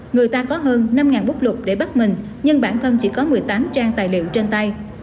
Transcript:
người ta có hơn năm bút lục để bắt mình nhưng bản thân chỉ có một mươi tám trang tài liệu trên tay